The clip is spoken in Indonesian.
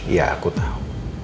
iya aku tau